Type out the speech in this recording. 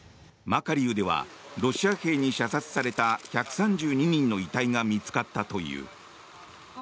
マカリウでは、ロシア兵に射殺された１３２人の遺体が見つかったという。